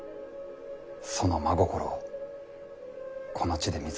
その真心をこの地で見つけられた気がする。